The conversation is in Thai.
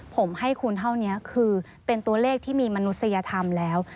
ผมให้คุณเท่านี้คือเป็นตัวเลขที่มีมนุษยธรรมแล้ว